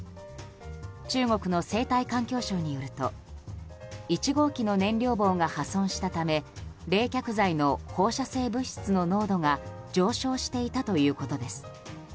中国の生態環境省によると１号機の燃料棒が破損したため冷却材の放射性物質の濃度が上昇していたということです。